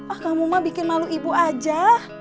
ah kamu mah bikin malu ibu aja